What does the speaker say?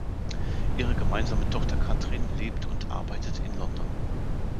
Ihre gemeinsame Tochter Catrin lebt und arbeitet in London.